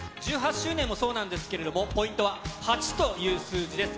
１８周年もそうなんですけれども、ポイントは８という数字です。